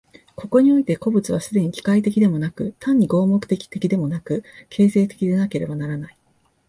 ここにおいて個物は既に機械的でもなく、単に合目的的でもなく、形成的でなければならない。